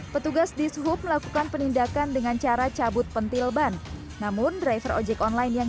petugas dishub melakukan penindakan dengan cara cabut pentil ban namun driver ojek online yang